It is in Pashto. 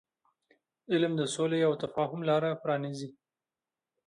علم د سولې او تفاهم لار پرانیزي.